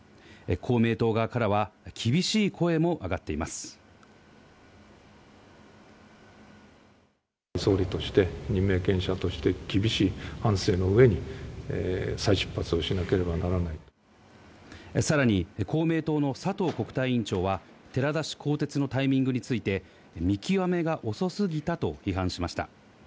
公明党側からは、厳しい声も上が総理として、任命権者として、厳しい反省のうえに、さらに、公明党の佐藤国対委員長は、寺田氏更迭のタイミングについて、見極めが遅すぎたと批判しました。